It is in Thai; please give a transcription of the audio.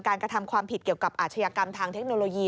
กระทำความผิดเกี่ยวกับอาชญากรรมทางเทคโนโลยี